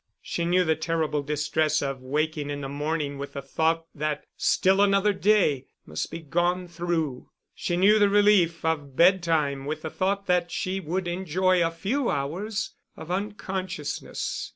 She knew the terrible distress of waking in the morning with the thought that still another day must be gone through; she knew the relief of bed time with the thought that she would enjoy a few hours of unconsciousness.